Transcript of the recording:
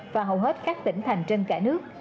và hầu hết các tỉnh thành trên cả nước